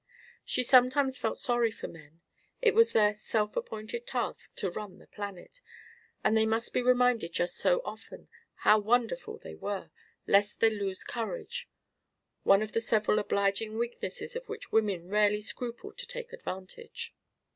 She sometimes felt sorry for men. It was their self appointed task to run the planet, and they must be reminded just so often how wonderful they were, lest they lose courage; one of the several obliging weaknesses of which women rarely scrupled to take advantage.